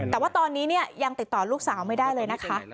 แต่ว่าตอนนี้ยังติดต่อลูกสาวไม่ได้เลยนะคะ